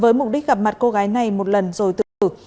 với mục đích gặp mặt cô gái này một lần rồi tự tử